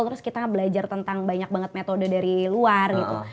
terus kita belajar tentang banyak banget metode dari luar gitu